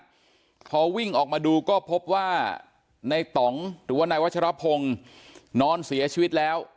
พอวิ่งออกมาดูก็พบว่าในต่องหรือว่านายวัชรพงศ์นอนเสียชีวิตแล้ว